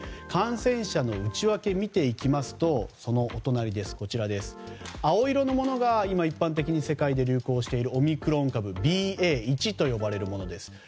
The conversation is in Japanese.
感染者の内訳を見ていきますと青色のものが今一般的に世界で流行しているオミクロン株ＢＡ．１と呼ばれるものです。